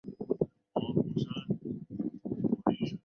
南长区是中国江苏省无锡市所辖的一个市辖区。